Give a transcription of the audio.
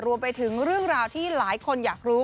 รวมไปถึงเรื่องราวที่หลายคนอยากรู้